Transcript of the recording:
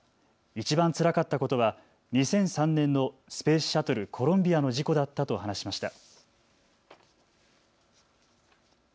いちばんつらかったことは２００３年のスペースシャトル、コロンビアの事故だったと話しました。